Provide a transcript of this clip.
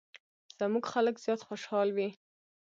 زموږ خلک زیات خوشحال وي.